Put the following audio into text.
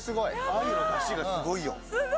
鮎のだしがすごいよ。